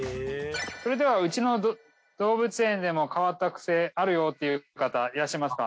それではうちの動物園でも変わったクセあるよっていう方いらっしゃいますか？